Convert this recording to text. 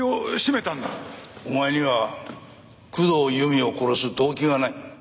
お前には工藤由美を殺す動機がない。